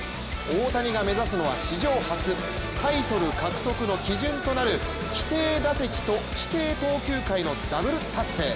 大谷が目指すのは、史上初タイトル獲得の基準となる規定打席と、規定投球回のダブル達成。